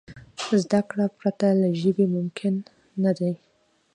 زدهکړې پرته له ژبي ممکن نه دي.